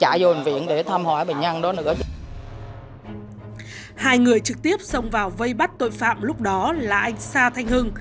hai người trực tiếp xông vào vây bắt tội phạm lúc đó là anh sa thanh hưng